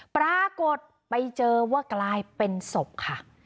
ปรากฏไปเจอว่ากลายเป็นศพค่ะ